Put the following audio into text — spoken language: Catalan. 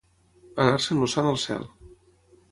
Anar-se'n el sant al cel.